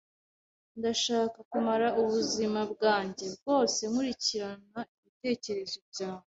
Ndashaka kumara ubuzima bwanjye bwose nkurikirana ibitekerezo byanjye.